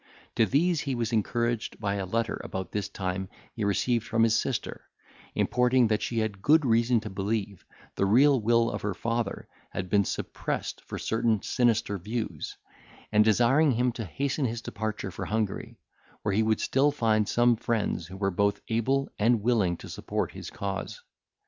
To these he was encouraged by a letter which about this time he received from his sister, importing, that she had good reason to believe the real will of her father had been suppressed for certain sinister views; and desiring him to hasten his departure for Hungary, where he would still find some friends who were both able and willing to support his cause.